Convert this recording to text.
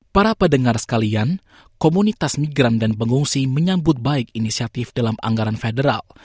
para pendengar sekalian komunitas migran dan pengungsi menyambut baik inisiatif dalam anggaran federal